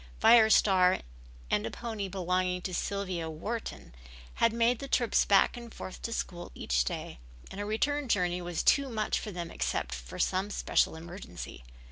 Fire Star and a pony belonging to Sylvia Wharton had made the trips back and forth to school each day and a return journey was too much for them except for some special emergency.